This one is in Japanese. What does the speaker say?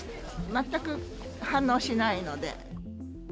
全く反応しないので。